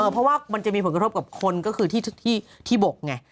เพราะว่ามันจะมีผลกระทบกับคนก็คือที่บกไง